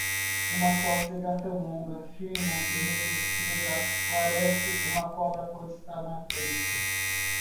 Uma cócega, tão longa, fina e retorcida, parece uma cobra quando está matando.